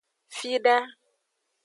Fida.